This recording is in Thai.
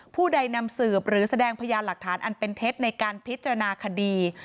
ผู้ใดนำสืบหรือแสดงพยานหลักฐานอันเป็นเท็จในการพิจารณาคดี